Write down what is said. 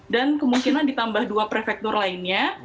dan kemungkinan ditambah dua prefektur lainnya